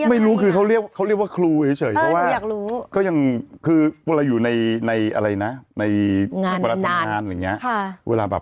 ฮไม่รู้เขาเรียกว่าครูเฉยเพราะว่าก็ยังคือบางอย่างอยู่ในงานแบบคนในโซเชียลจะเรียกครูค่ะ